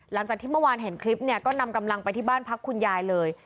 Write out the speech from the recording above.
หลังจากที่เมื่อวานเห็นคลิปเนี่ยก็นำกำลังไปที่บ้านพักคุณยายเลย